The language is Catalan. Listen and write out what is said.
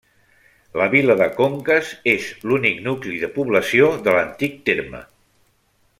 La vila de Conques és l'únic nucli de població de l'antic terme.